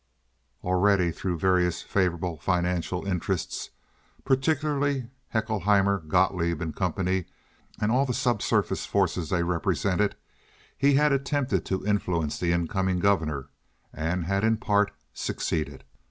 Already through various favorable financial interests—particularly Haeckelheimer, Gotloeb & Co. and all the subsurface forces they represented—he had attempted to influence the incoming governor, and had in part succeeded.